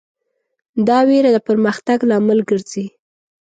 دا وېره د پرمختګ لامل ګرځي.